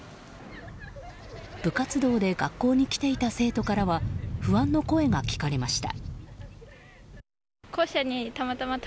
部活動で学校に来ていた生徒からは不安の声が聞かれました。